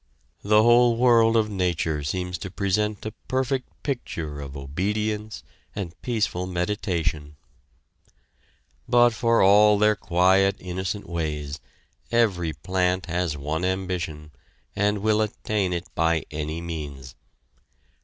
The whole world of nature seems to present a perfect picture of obedience and peaceful meditation. But for all their quiet innocent ways, every plant has one ambition and will attain it by any means.